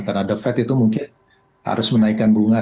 karena the fed itu mungkin harus menaikkan bunga